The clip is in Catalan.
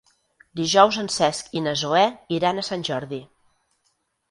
Dijous en Cesc i na Zoè iran a Sant Jordi.